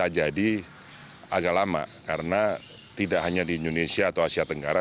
jadi agak lama karena tidak hanya di indonesia atau asia tenggara